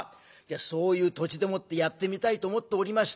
そういう土地でもってやってみたいと思っておりました。